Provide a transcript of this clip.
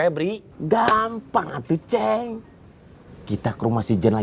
bapak belum keluar